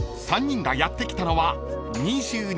［３人がやって来たのは］